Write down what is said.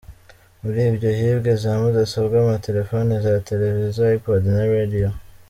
Muri ibyo hibwe za mudasobwa, amatelefoni, za televiziyo, Ipod na radiyo.